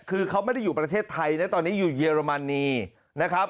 คือเขาไม่ได้อยู่ประเทศไทยนะตอนนี้อยู่เยอรมนีนะครับ